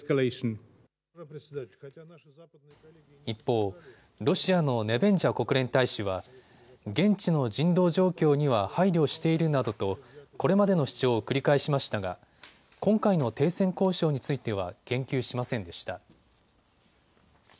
一方、ロシアのネベンジャ国連大使は現地の人道状況には配慮しているなどとこれまでの主張を繰り返しましたが今回の停戦交渉については言及しませんでした。